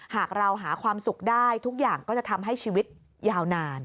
หากเราหาความสุขได้ทุกอย่างก็จะทำให้ชีวิตยาวนาน